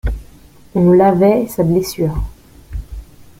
On lavait sa blessure.